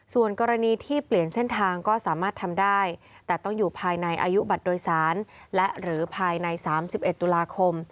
ส่วนกรณีที่เปลี่ยนเส้นทางก็สามารถทำได้แต่ต้องอยู่ภายในอายุบัตรโดยสารและหรือภายใน๓๑ตุลาคม